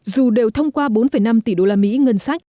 dù đều thông qua bốn năm tỷ đô la mỹ ngân sách